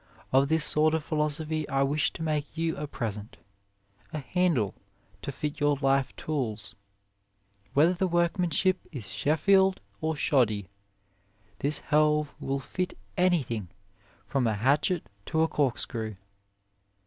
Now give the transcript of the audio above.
Of this sort of philosophy I wish to make you a present a handle to fit your life tools. Whether the workmanship is Sheffield or shoddy, this helve will fit any thing from a hatchet to a cork screw.